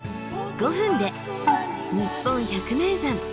５分で「にっぽん百名山」。